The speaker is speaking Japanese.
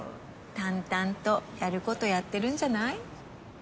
淡々とやることやってるんじゃない？